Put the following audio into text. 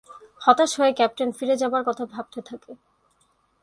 হতাশ হয়ে ক্যাপ্টেন ফিরে যাবার কথা ভাবতে থাকে।